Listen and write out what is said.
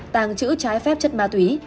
tàng trữ trái phép chất ma túy